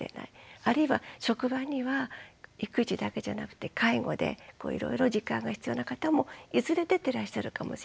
あるいは職場には育児だけじゃなくて介護でいろいろ時間が必要な方もいずれ出てらっしゃるかもしれない。